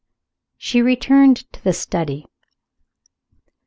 She returned to the study.